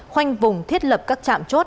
khoanh vùng thiết lập các trạm chốt